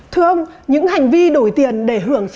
thưa ông những hành vi đổi tiền để hưởng